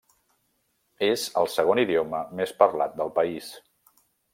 És el segon idioma més parlat del país.